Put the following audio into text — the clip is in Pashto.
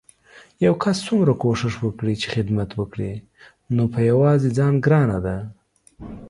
يو کس څومره کوښښ وکړي چې خدمت وکړي نو په يوازې ځان ګرانه ده